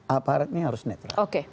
aparatnya harus netral